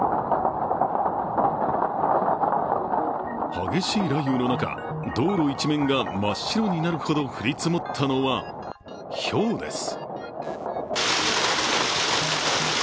激しい雷雨の中、道路一面が真っ白になるほど降り積もったのは、ひょうです。